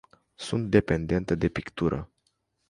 Sunt dependentă de pictură.